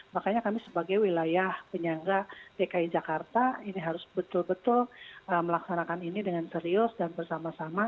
makanya kami sebagai wilayah penyangga dki jakarta ini harus betul betul melaksanakan ini dengan serius dan bersama sama